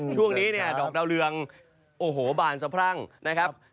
ช่วงนี้เนี่ยดอกดาวเรืองโอ้โหบานสะพรั่งนะครับ